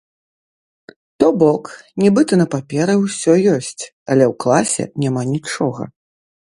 То бок, нібыта на паперы ўсё ёсць, але ў класе няма нічога.